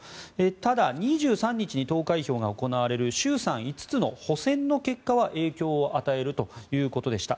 ただ、２３日に投開票が行われる衆参５つの補選の結果は影響を与えるということでした。